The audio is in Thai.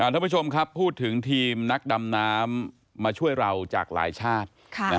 ท่านผู้ชมครับพูดถึงทีมนักดำน้ำมาช่วยเราจากหลายชาติ